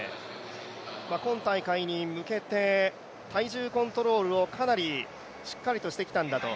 今大会に向けて体重コントロールをかなりしっかりとしてきたんだと。